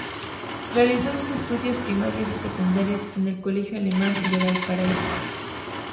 Realizó sus estudios primarios y secundarios en el Colegio Alemán de Valparaíso.